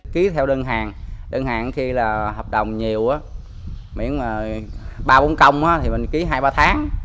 ký theo đơn hàng đơn hàng khi là hợp đồng nhiều miễn ba bốn công thì mình ký hai ba tháng